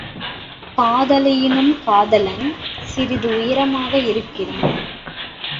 காதலியினும் காதலன் சிறிது உயரமாக இருக்கிறான்.